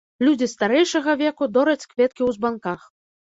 Людзі старэйшага веку дораць кветкі ў збанках.